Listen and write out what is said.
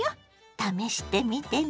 試してみてね。